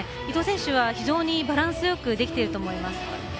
伊藤選手は非常にバランスよくできていると思います。